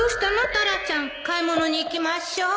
タラちゃん買い物に行きましょう